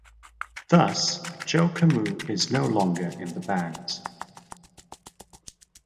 Thus, Joe Comeau is no longer in the band.